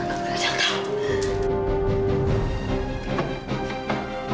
kau tidak tahu